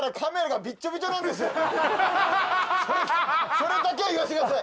それだけは言わせてください！